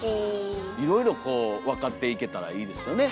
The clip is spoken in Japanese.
いろいろこう分かっていけたらいいですよね。